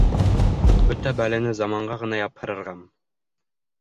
Бөтә бәләне заманға ғына япһарырғамы?